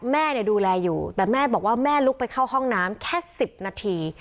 แม่ดูแลอยู่แต่แม่บอกว่าแม่ลุกไปเข้าห้องน้ำแค่๑๐นาที